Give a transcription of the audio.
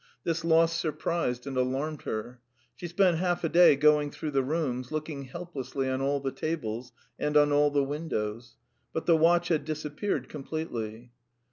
This loss surprised and alarmed her. She spent half a day going through the rooms, looking helplessly on all the tables and on all the windows. But the watch had disappeared completely.